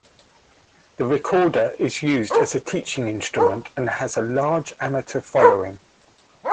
The recorder is used as a teaching instrument and has a large amateur following.